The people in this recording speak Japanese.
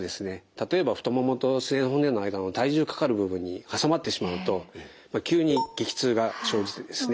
例えば太ももとすねの骨の間の体重かかる部分に挟まってしまうと急に激痛が生じてですね